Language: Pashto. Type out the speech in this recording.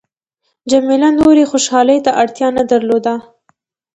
جميله نورې خوشحالۍ ته اړتیا نه درلوده.